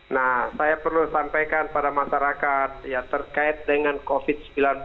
nah saya perlu sampaikan pada masyarakat ya terkait dengan covid sembilan belas